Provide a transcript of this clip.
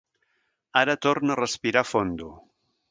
Ara torna a respirar fondo.